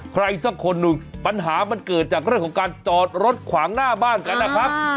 ใครสักคนหนึ่งปัญหามันเกิดจากเรื่องของการจอดรถขวางหน้าบ้านกันนะครับ